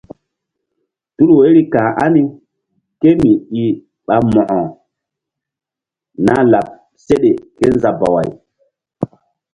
Tul woiri ka̧h ani kémíi ɓa Mo̧ko nah láɓ seɗe kézabaway.